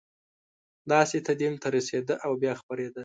داسې تدین تدریسېده او بیا خپرېده.